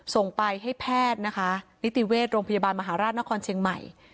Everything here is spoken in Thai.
ส่งไปให้แพทย์นะคะนิติเวชโรงพยาบาลมหาราชนครเชียงใหม่